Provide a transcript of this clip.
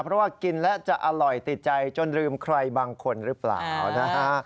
เพราะว่ากินแล้วจะอร่อยติดใจจนลืมใครบางคนหรือเปล่านะฮะ